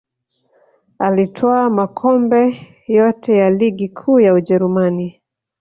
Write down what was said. Alitwaa makombe yote ya ligi kuu ya ujerumani